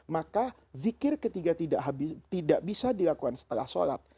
maka zikir ketika tidak bisa dilakukan setelah sholat